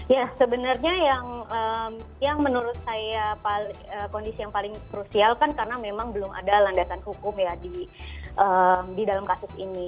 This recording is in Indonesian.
ya sebenarnya yang menurut saya kondisi yang paling krusial kan karena memang belum ada landasan hukum ya di dalam kasus ini